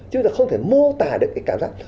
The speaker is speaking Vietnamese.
chứ là không thể mô tả được cái cảm giác